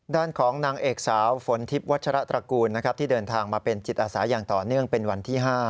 ด้านของนางเอกสาวฝนทิพย์วัชระตระกูลที่เดินทางมาเป็นจิตอาสาอย่างต่อเนื่องเป็นวันที่๕